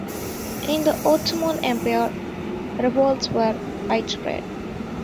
In the Ottoman Empire, revolts were widespread.